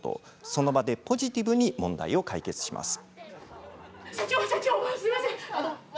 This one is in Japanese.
その場でポジティブに問題を解決します。